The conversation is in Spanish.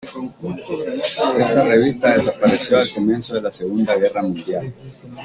Esta revista desapareció al comienzo de la Segunda Guerra Mundial.